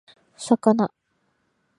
魚